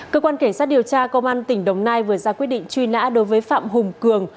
cơ quan cảnh sát điều tra công an tỉnh đồng nai vừa ra quyết định truy nã đối với phạm hùng cường